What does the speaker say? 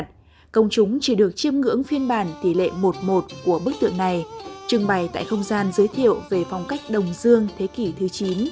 tượng bồ tát tara được chiêm ngưỡng phiên bản tỷ lệ một một của bức tượng này trưng bày tại không gian giới thiệu về phong cách đồng dương thế kỷ thứ chín